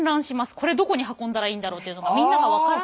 これどこに運んだらいいんだろうっていうのがみんなが分からないので。